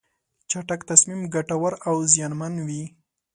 چټک تصمیم ګټور او زیانمن وي.